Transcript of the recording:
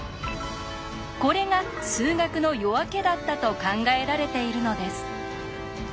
これが「数学の夜明け」だったと考えられているのです。